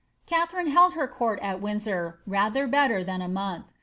'' Katharine held her court at Windsor rather better than a month.